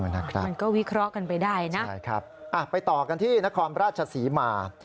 มันก็วิเคราะห์กันไปได้นะนะครับมาไปต่อกันที่นโคลนราชศีมา